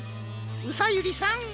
うさゆりさん。